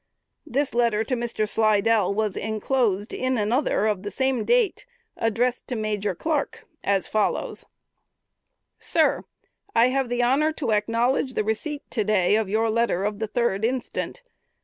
This letter to Mr. Slidell was inclosed in another of the same date, addressed to Major Clark, as follows: "SIR: I have the honor to acknowledge the receipt to day of your letter of the third instant.